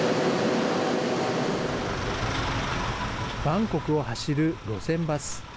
バンコクを走る路線バス。